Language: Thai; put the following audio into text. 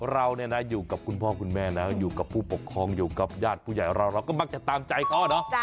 เราเนี่ยนะอยู่กับคุณพ่อคุณแม่แล้วอยู่กับผู้ปกครองอยู่กับญาติผู้ใหญ่เราเราก็มักจะตามใจเขาเนาะ